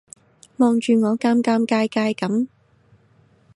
望住我尷尷尬尬噉